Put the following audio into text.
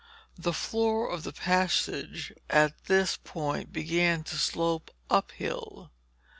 The floor of the passage at this point began to slope up hill.